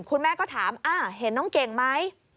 คุณแม่ก็ถามเห็นน้องเก่งไหม